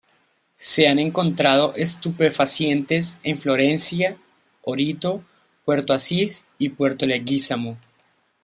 Se han encontrado estupefacientes en Florencia, Orito, Puerto Asís y Puerto Leguízamo.